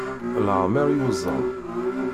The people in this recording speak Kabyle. Leɛmer yuẓam.